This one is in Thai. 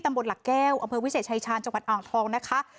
หลักแก้วอำเภอวิเศษชายชาญจังหวัดอ่างทองนะคะ